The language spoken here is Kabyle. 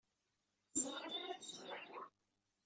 Ur teẓrimt ara tisura-inu?